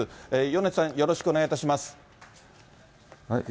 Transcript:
米津さん、よろしくお願いします。